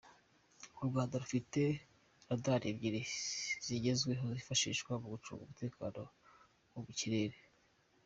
U Rwanda rufite radari ebyiri zigezweho zifashishwa mu gucunga umutekano wo mu kirere.